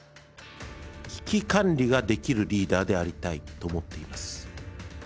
危機管理ができるリーダーでありたいと思っています